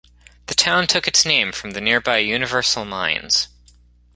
The town took its name from the nearby Universal Mines.